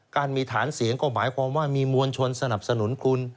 การมีฐานเสียงก็หมายความว่ามีมวลชนสนับสนุนคุณ